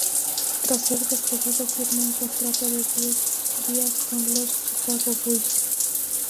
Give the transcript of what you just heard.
Tras ser despedido, firmó un contrato de diez días con los Chicago Bulls.